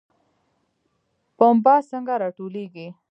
پنبه څنګه راټولیږي؟